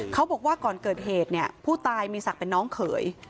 เขาบอกว่าก่อนเกิดเหตุเนี่ยผู้ตายมีศักดิ์เป็นน้องเขย